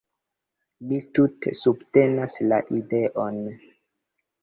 Mi tute subtenas la ideon.